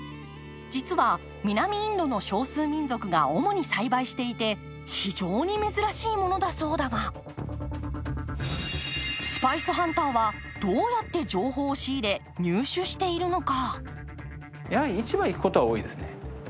実は南インドの少数民族が主に栽培していて非常に珍しいものだそうだがスパイスハンターはどうやって情報を仕入れ入手しているのか。